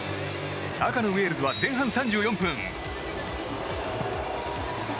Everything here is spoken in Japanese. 赤のウェールズは前半３４分。